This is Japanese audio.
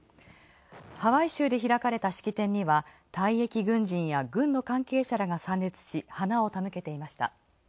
ハワイ州で開かれた式典には、退役軍人や軍の関係者らが参列し花をたむけていました。